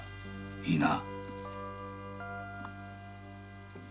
いいな。